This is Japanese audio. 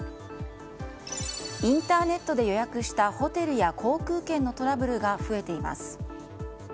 インターネットで予約したホテルや航空券のトラブルが増えています。